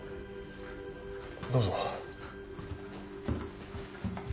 どうぞ。